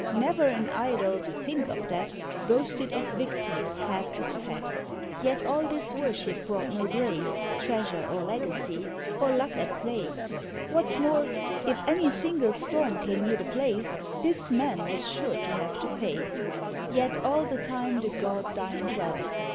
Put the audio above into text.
Never an idol think of that Boasted of victims half as fat. Yet all this worship brought no grace, Treasure or legacy, or luck at play; What's more, if any single storm came near the place, This man was sure to have to pay; Yet all the time the god dined well.